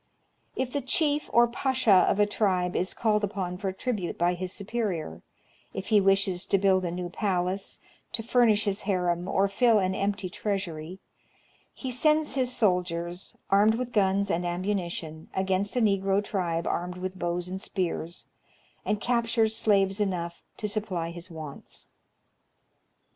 If the chief or pacha of a tribe is called upon for tribute by his superior, if he wishes to build a new palace, to furnish his harem, or fill an empty treasury, he sends his soldiers, armed with guns and ammunition, against a Negro tribe armed with bows and spears, and captures slaves enough to supply his wants.